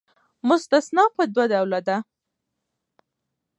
مستثنی پر دوه ډوله ده.